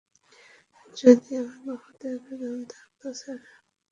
যদি আমার বাহুতে এতো দম থাকতো, স্যার।